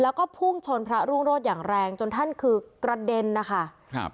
แล้วก็พุ่งชนพระรุ่งโรศอย่างแรงจนท่านคือกระเด็นนะคะครับ